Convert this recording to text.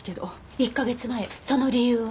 １か月前その理由は？